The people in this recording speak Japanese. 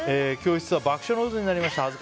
教室は爆笑の渦になりました。